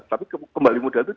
tapi kembali modal itu